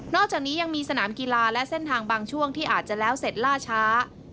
อกจากนี้ยังมีสนามกีฬาและเส้นทางบางช่วงที่อาจจะแล้วเสร็จล่าช้า